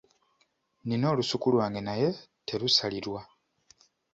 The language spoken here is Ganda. Nnina olusuku lwange naye terusalirwa.